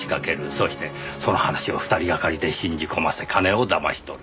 そしてその話を２人がかりで信じ込ませ金をだまし取る。